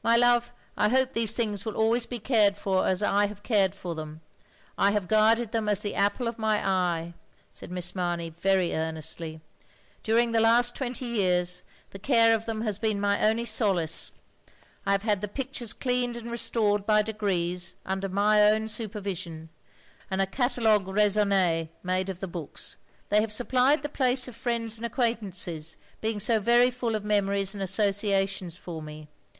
My love, I hope these things will always be cared for as I have cared for them. I have guarded them as the apple of my eye, " said Miss Mamey, very earnestly. "During the last twenty years, the care of them has been my only solace. I have had the pictures cleaned and restored by degrees tinder my own supervision; and a catalogue raisonn6 made of the books. They have supplied the place of friends and acquaintances, being so very fuH of memories and associations for me.